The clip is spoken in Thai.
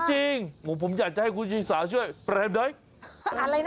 จริงผมอยากให้คุณชีศาช่วยแปลใหน